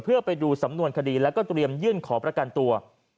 เพื่อไปดูสำนวนคดีแล้วก็เตรียมยื่นขอประกันตัว